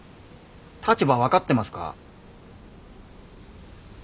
立場分かってますか？